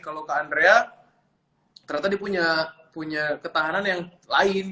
kalau kak andrea ternyata dia punya ketahanan yang lain